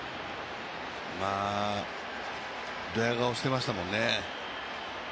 どや顔してましたもんね。